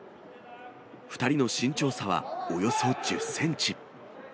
２人の身長差は、およそ１０センチ。